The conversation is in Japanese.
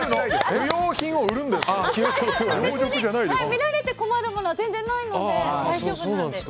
見られて困るものは全然ないので大丈夫です。